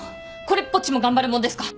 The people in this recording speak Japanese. これっぽっちも頑張るもんですか。